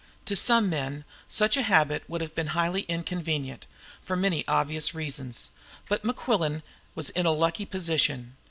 To some men such a habit would have been highly inconvenient, for many obvious reasons. But Mequillen was in a lucky position.